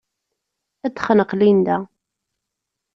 Ad t-texneq Linda.